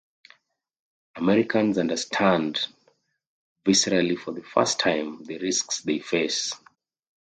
Americans understand viscerally for the first time the risks they face.